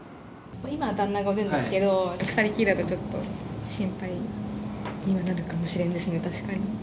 今、旦那がいるんですけど、２人きりだとちょっと心配にはなるかもしれないですね。